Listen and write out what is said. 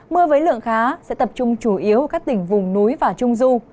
mưa với lượng khá sẽ tập trung chủ yếu ở các tỉnh vùng núi và trung du